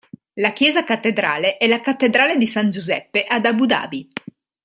La chiesa cattedrale è la Cattedrale di San Giuseppe ad Abu Dhabi.